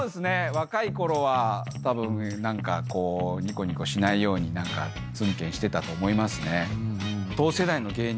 若いころはたぶん何かこうニコニコしないようにつんけんしてたと思いますね。